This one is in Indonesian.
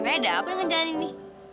emang ada apa dengan jalan ini